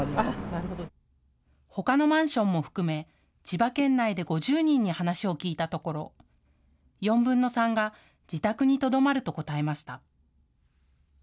ほかのマンションも含め千葉県内で５０人に話を聞いたところ、４分の３が自宅にとどまると答えました。